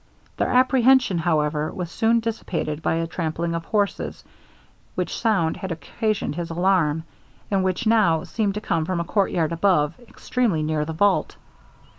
Their apprehension, however, was soon dissipated by a trampling of horses, which sound had occasioned his alarm, and which now seemed to come from a courtyard above, extremely near the vault.